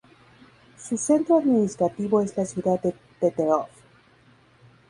Su centro administrativo es la ciudad de Peterhof.